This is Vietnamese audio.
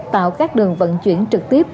tạo các đường vận chuyển trực tiếp